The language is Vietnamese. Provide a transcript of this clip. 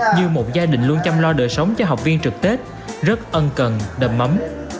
như một gia đình luôn chăm lo đời sống cho học viên trực tết rất ân cần đầm ấm